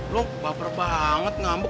lo baper banget ngambek